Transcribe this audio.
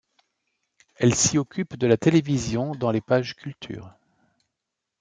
Elle s'y occupe de la télévision dans les pages culture.